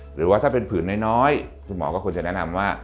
หรือว่าถ้าเป็นผื่นน้อยคุณหมอก็ควรจะแนะนำว่า